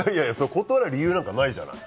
断る理由なんてないじゃない。